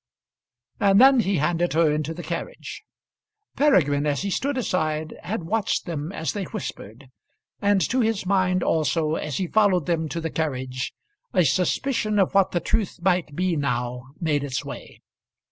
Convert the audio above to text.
And then he handed her into the carriage. Peregrine, as he stood aside, had watched them as they whispered, and to his mind also as he followed them to the carriage a suspicion of what the truth might be now made its way.